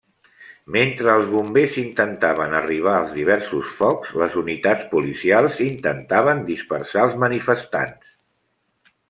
Mentre els bombers intentaven arribar als diversos focs, les unitats policials intentaven dispersar els manifestants.